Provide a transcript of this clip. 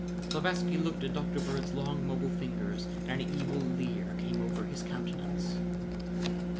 Slavatsky looked at Dr. Bird's long mobile fingers and an evil leer came over his countenance.